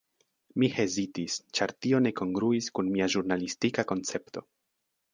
Mi hezitis, ĉar tio ne kongruis kun mia ĵurnalistika koncepto.